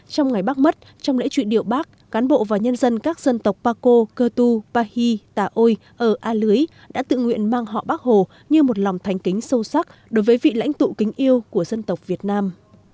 trong ngày bác mất trong lễ truyện điệu bác cán bộ và nhân dân các dân tộc paco cơ tu pahi tà ôi ở a lưới đã tự nguyện mang họ bác hồ như một lòng thành kính sâu sắc đối với vị lãnh tụ kính yêu của dân tộc việt nam